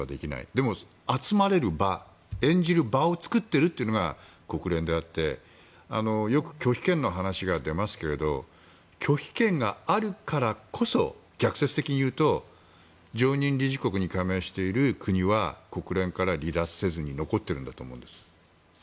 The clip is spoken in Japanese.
でも、集まれる場演じる場を作っているというのが国連であってよく拒否権の話が出ますけども拒否権があるからこそ逆説的に言うと常任理事国に加盟している国は国連から離脱せずに残っているんだと思うんです。